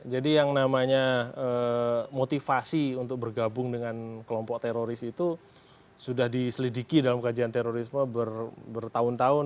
jadi yang namanya motivasi untuk bergabung dengan kelompok teroris itu sudah diselidiki dalam kajian terorisme bertahun tahun